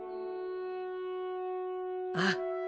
ああ